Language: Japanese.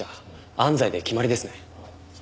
安西で決まりですね。